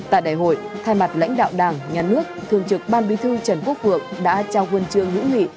tại đại hội thay mặt lãnh đạo đảng nhà nước thường trực ban bí thư trần quốc vượng đã trao huân trường hữu nghị